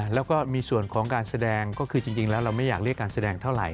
แล้วก็มีส่วนของการแสดงก็คือจริงแล้วเราไม่อยากเรียกการแสดงเท่าไหร